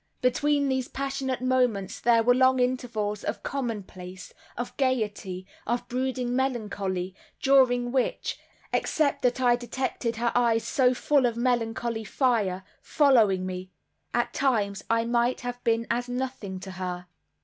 Between these passionate moments there were long intervals of commonplace, of gaiety, of brooding melancholy, during which, except that I detected her eyes so full of melancholy fire, following me, at times I might have been as nothing to her.